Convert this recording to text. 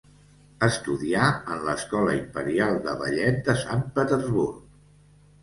Estudià en l'Escola Imperial de Ballet de Sant Petersburg.